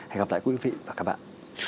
hẹn gặp lại quý vị và các bạn